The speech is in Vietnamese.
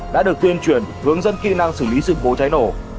đã được tuyên truyền hướng dẫn kỹ năng xử lý sự cố cháy nổ